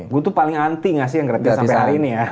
gue tuh paling anti ngasih yang gratis sampe hari ini ya